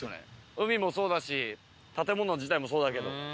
海もそうだし建物自体もそうだけど。